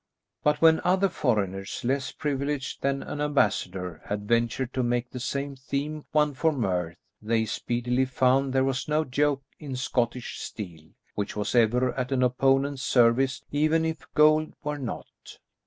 But when other foreigners less privileged than an ambassador had ventured to make the same theme one for mirth, they speedily found there was no joke in Scottish steel, which was ever at an opponent's service, even if gold were not.